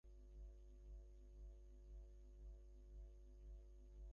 কলুটোলায় আসিয়া দেখিল, রমেশের বাসা শূন্য।